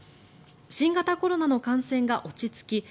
新型コロナの感染が落ち着き